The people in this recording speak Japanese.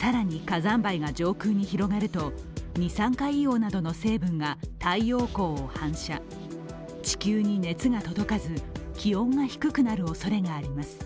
更に火山灰が上空に広がると二酸化硫黄などの成分が太陽光を反射、地球に熱が届かず気温が低くなるおそれがあります。